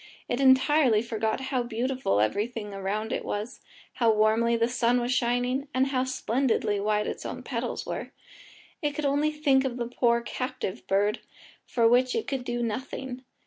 It entirely forgot how beautiful everything around it was, how warmly the sun was shining, and how splendidly white its own petals were. It could only think of the poor captive bird, for which it could do nothing.